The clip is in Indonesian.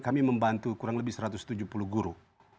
kami membantu kurang lebih satu ratus tujuh puluh guru